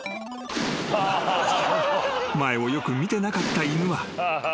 ［前をよく見てなかった犬は］